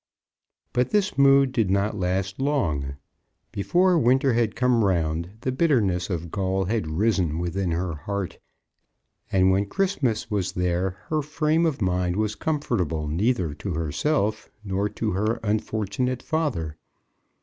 But this mood did not last long. Before winter had come round the bitterness of gall had risen within her heart, and when Christmas was there her frame of mind was comfortable neither to herself nor to her unfortunate father.